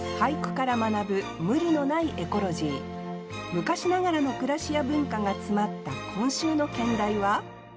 昔ながらの暮らしや文化が詰まった今週の兼題は？